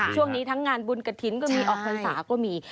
ช่วงนี้ทั้งงานบุญกระถิ่นก็มีออกพรรษาก็มี